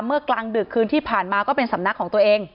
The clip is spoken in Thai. กลางดึกคืนที่ผ่านมาก็เป็นสำนักของตัวเอง